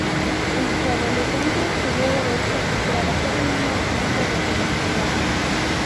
En su adolescencia estudió Derecho y trabajó en una agencia de publicidad.